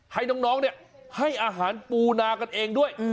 ให้น้องเนี่ยให้อาหารปูนากันเองด้วย